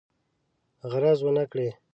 غرض ونه کړي.